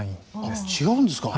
違うんですか？